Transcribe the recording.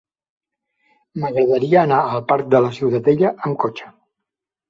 M'agradaria anar al parc de la Ciutadella amb cotxe.